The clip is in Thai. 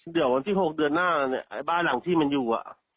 เดี๋ยววันที่๖เดือนหน้าบ้านหลังที่มันอยู่